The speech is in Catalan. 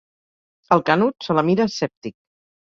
El Canut se la mira escèptic.